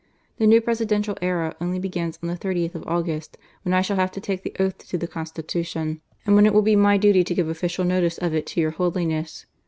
The new Presidential era only begins on. the 30th of August, when I shall have to take the oath to the Constitution, and when it will be my duty to give official notice of it to your Holiness.